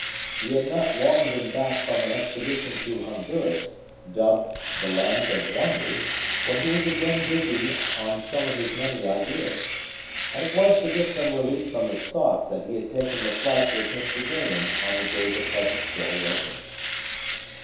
He had not long been back from an expedition to Honduras, dubbed "the land of wonders," when he was again busy on some of his many ideas. And it was to get some relief from his thoughts that he had taken the flight with Mr. Damon on the day the present story opens.